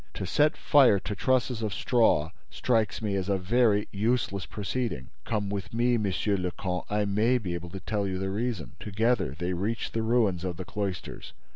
To set fire to trusses of straw strikes me as a very useless proceeding." "Come with me, Monsieur le Comte: I may be able to tell you the reason." Together they reached the ruins of the cloisters.